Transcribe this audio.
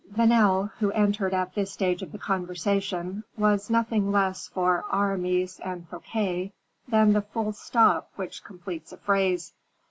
Vanel, who entered at this stage of the conversation, was nothing less for Aramis and Fouquet than the full stop which completes a phrase.